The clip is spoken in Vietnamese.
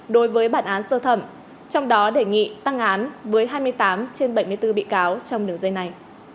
đối với bản án sơ thẩm trong đó đề nghị tăng án với hai mươi tám trên bảy mươi bốn bị cáo trong đường dây này